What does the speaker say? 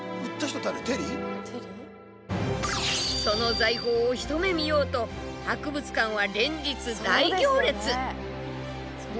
その財宝を一目見ようと博物館は連日大行列。